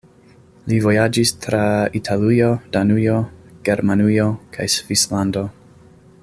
Li vojaĝis tra Italujo, Danujo, Germanujo kaj Svislando.